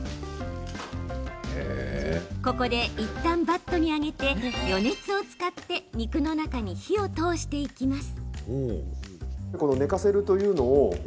ここで、いったんバットに上げて余熱を使って肉の中に火を通していきます。